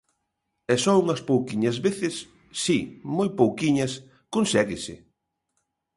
E só unhas pouquiñas veces, si, moi pouquiñas, conséguese.